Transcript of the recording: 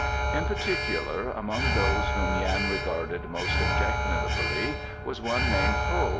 In particular, among those whom Yan regarded most objectionably was one named Ho.